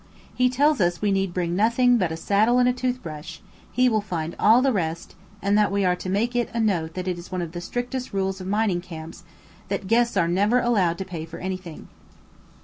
He tells us we need bring nothing but a saddle and a toothbrush, he will find all the rest; and that we are to make it a note that it is one of the strictest rules of mining camps that guests are never allowed to pay for anything.